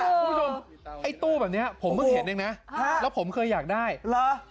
ไอ้ตู้แบบนี้ผมเพิ่งเห็นเองนะแล้วผมเคยอยากได้เหรอ